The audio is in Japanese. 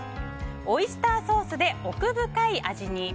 オイスターソースで奥深い味に！